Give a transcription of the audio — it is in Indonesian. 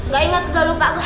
gak inget udah lupa gue